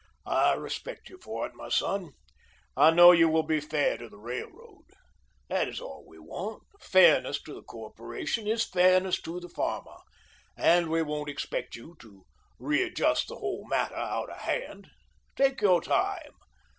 "I respect you for it, my son. I know you will be fair to the railroad. That is all we want. Fairness to the corporation is fairness to the farmer, and we won't expect you to readjust the whole matter out of hand. Take your time.